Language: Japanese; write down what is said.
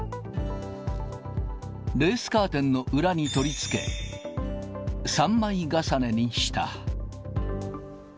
レースカーテンの裏に取り付け、３枚重ねにした。